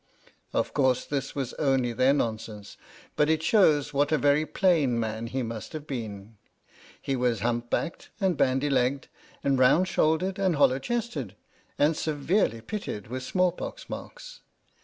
Of course this was only their nonsense, but it shows what a very plain man he must have been. He was hump backed, and bandy legged, and round shouldered, and hollow chested, and severely pitted with small pox marks.